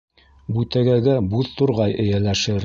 Бүтәгәгә буҙ турғай эйәләшер.